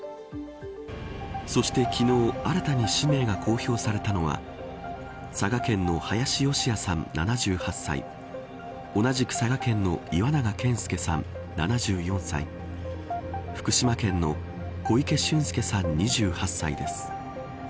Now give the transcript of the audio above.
そして昨日新たに氏名が公表されたのは佐賀県の林善也さん、７８歳同じく佐賀県の岩永健介さん７４歳福島県の小池駿介さん２８歳です。